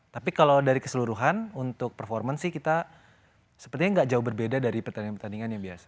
tapi kalau dari keseluruhan untuk performance sih kita sepertinya nggak jauh berbeda dari pertandingan pertandingan yang biasa